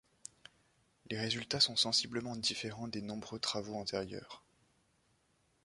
Les résultats sont sensiblement différents des nombreux travaux antérieurs.